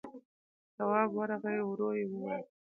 تواب ورغی، ورو يې وويل: